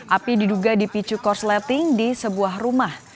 api diduga dipicu korsleting di sebuah rumah